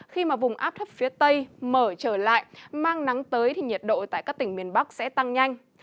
khi mà vùng áp thấp phía tây mở trở lại mang nắng tới thì nhiệt độ tại các tỉnh miền bắc sẽ tăng nhanh